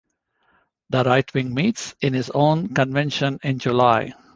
The right-wing meets in his own convention in July.